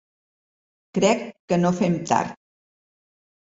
Crec que no fem tard.